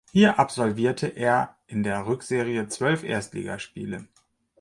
Hier absolvierte er in der Rückserie zwölf Erstligaspiele.